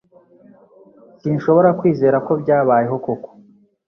Sinshobora kwizera ko byabayeho koko.